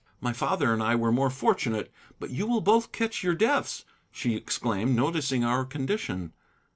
My father and I were more fortunate. But you will both catch your deaths," she exclaimed, noticing our condition.